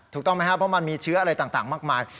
ถูกต้องไหมครับเพราะมันมีเชื้ออะไรต่างมากมาย